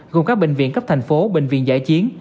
gồm các bệnh viện cấp thành phố bệnh viện giải chiến